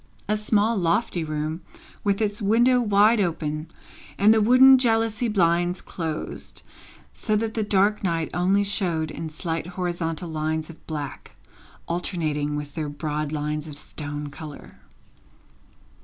A small lofty room, with its window wide open, and the wooden jalousie blinds closed, so that the dark night only showed in slight horizontal lines of black, alternating with their broad lines of stone colour.